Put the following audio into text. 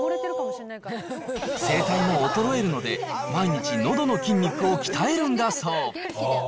声帯も衰えるので、毎日のどの筋肉を鍛えるんだそう。